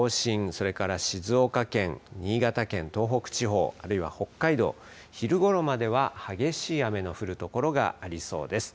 それから静岡県新潟県、東北地方あるいは、北海道、昼ごろまでは激しい雨の降る所がありそうです。